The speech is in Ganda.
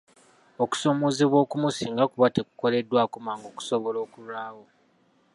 Okusoomoozebwa okumu singa kuba tekukoleddwako mangu kusobola okulwawo.